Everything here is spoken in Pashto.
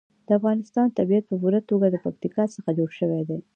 د افغانستان طبیعت په پوره توګه له پکتیکا څخه جوړ شوی دی.